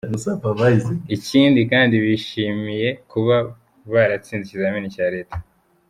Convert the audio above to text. Ikindi kandi bishimiye kuba baratsinze ikizamini cya Leta”.